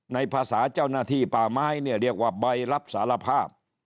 ในภาษาเจ้าหน้าที่ป่าไม้เนี่ยเรียกว่าใบรับสารภาพ